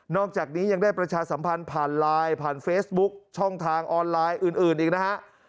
อกจากนี้ยังได้ประชาสัมพันธ์ผ่านไลน์ผ่านเฟซบุ๊คช่องทางออนไลน์อื่นอีกนะฮะ